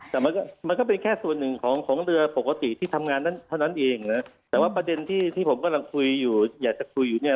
แต่มันก็มันก็เป็นแค่ส่วนหนึ่งของของเรือปกติที่ทำงานนั้นเท่านั้นเองนะแต่ว่าประเด็นที่ที่ผมกำลังคุยอยู่อยากจะคุยอยู่เนี่ย